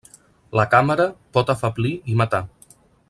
La càmera pot afeblir i matar.